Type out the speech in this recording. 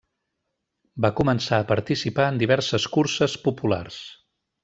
Va començar a participar en diverses curses populars.